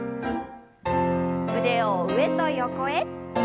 腕を上と横へ。